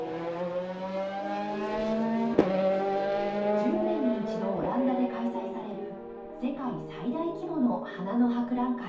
１０年に１度オランダで開催される世界最大規模の花の博覧会。